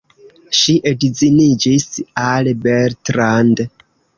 Ŝi edziniĝis al Bertrand.